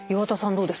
どうです？